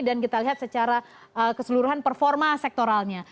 dan kita lihat secara keseluruhan performa sektoralnya